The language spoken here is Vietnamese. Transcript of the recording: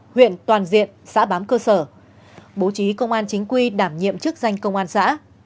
huyện toàn diện xã bám cơ sở bố trí công an chính quy đảm nhiệm chức danh công an xã